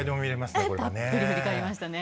たっぷり振り返りましたね。